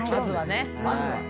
まずは。